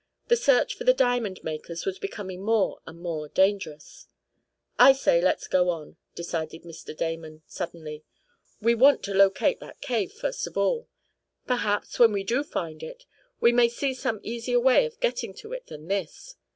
The search for the diamond makers was becoming more and more dangerous. "I say let's go on!" decided Mr. Damon, suddenly. "We want to locate that cave, first of all. Perhaps, when we do find it, we may see some easier way of getting to it than this.